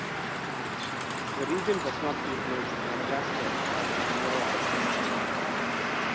The region does not include Madagascar or the Comoro Islands.